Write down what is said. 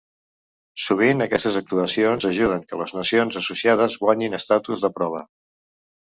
Sovint aquestes actuacions ajuden que les Nacions associades guanyin Estatus de prova.